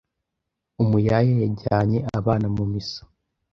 umuyaya yajyanye abana mu misa,